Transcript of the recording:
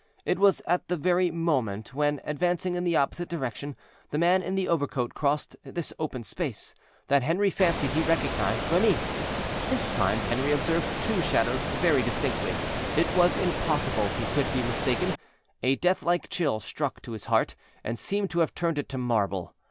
It was at the very moment when, advancing in the opposite direction, the man in the overcoat crossed this open space, that Henri fancied he recognized Remy. This time Henri observed two shadows very distinctly; it was impossible he could be mistaken. A death like chill struck to his heart, and seemed to have turned it to marble.